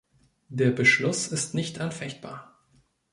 Der Beschluss ist nicht anfechtbar.